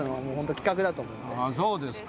そうですか。